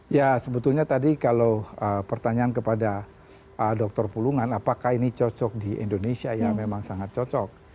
ya sebetulnya tadi kalau pertanyaan kepada dr pulungan apakah ini cocok di indonesia ya memang sangat cocok